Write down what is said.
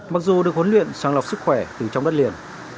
mặc dù được huấn luyện sàng lọc sức khỏe từ trong đất liền